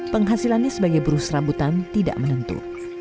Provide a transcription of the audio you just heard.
penghasilannya sebagai buruh serabutan tidak menentu